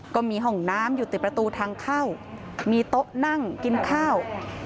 ก็มีห้องน้ำอยู่ติดประตูทางเข้ามีโต๊ะนั่งกินข้าว